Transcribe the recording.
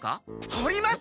掘ります！